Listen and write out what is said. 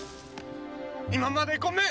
今までごめん！